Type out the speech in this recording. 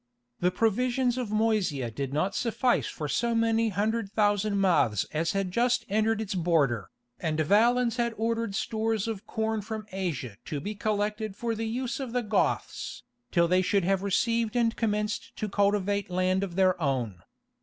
The provisions of Moesia did not suffice for so many hundred thousand mouths as had just entered its border, and Valens had ordered stores of corn from Asia to be collected for the use of the Goths, till they should have received and commenced to cultivate land of their own.